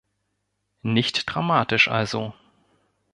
Nicht dramatisch also.